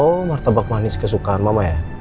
oh martabak manis kesukaan mama ya